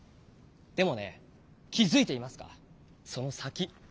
でもね気付いていますかその先。